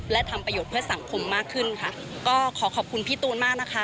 และทำประโยชน์เพื่อสังคมมากขึ้นค่ะก็ขอขอบคุณพี่ตูนมากนะคะ